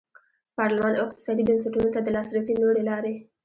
پارلمان او اقتصادي بنسټونو ته د لاسرسي نورې لارې.